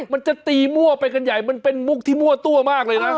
มันจะตีมั่วไปกันใหญ่มันเป็นมุกที่มั่วตัวมากเลยนะ